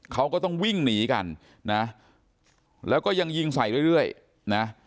เขาก็ต้องวิ่งหนีกันนะแล้วก็ยังยิงใส่เรื่อยนะ